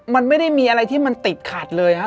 มันไม่ได้มีอะไรที่มันติดขัดเลยฮะ